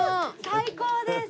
最高です！